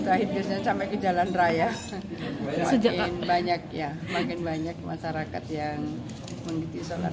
akhirnya sampai ke jalan raya makin banyak ya makin banyak masyarakat yang mengikuti sholat